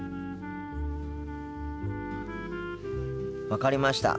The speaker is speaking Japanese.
分かりました。